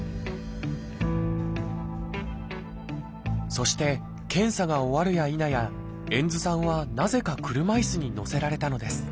そして検査が終わるやいなや遠津さんはなぜか車いすに乗せられたのです。